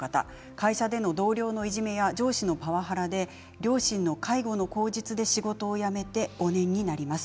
会社での同僚のいじめや上司のパワハラで両親の介護の口実で仕事を辞めて５年になります。